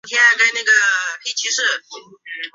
兰屿鱼藤为豆科鱼藤属下的一个种。